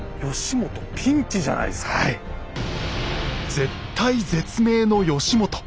絶体絶命の義元。